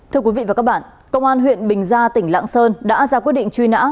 thưa quý vị và các bạn công an huyện bình gia tỉnh lạng sơn đã ra quyết định truy nã